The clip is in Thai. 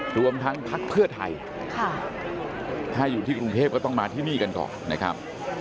รวมทั้งพักเพื่อไทยถ้าอยู่ที่กรุงเทพก็ต้องมาที่นี่กันก่อนนะครับ